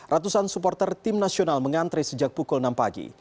ratusan supporter tim nasional mengantre sejak pukul enam pagi